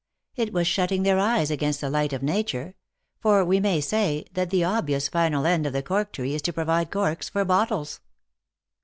" It was shutting their eyes against the light of nature ; for, we may say, that the obvious final end of the cork tree is to provide corks for bottles."